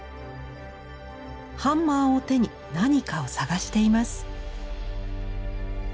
ハンマーを手に何かを探しています。